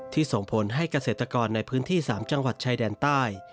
ส่งผลให้เกษตรกรในพื้นที่๓จังหวัดชายแดนใต้